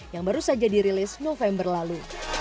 yang baru saja dirilis november lalu